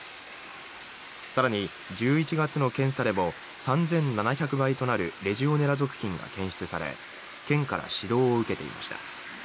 更に、１１月の検査でも３７００倍となるレジオネラ属菌が検出され県から指導を受けていました。